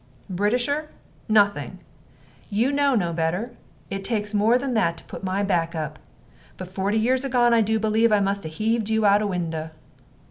"Britisher, nothing. You know no better. It takes more than that to put my back up. But forty years agone I do believe I must 'a heaved you out o' window."